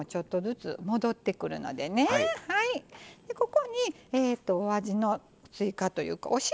ここにえとお味の追加というかお塩